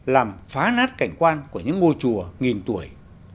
làm phá nát cảnh quan của những ngôi chùa nghìn tuổi